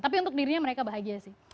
tapi untuk dirinya mereka bahagia sih